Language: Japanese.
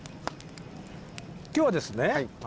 今日はですね